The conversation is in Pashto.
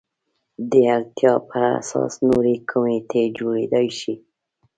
د اړتیا پر اساس نورې کمیټې جوړېدای شي.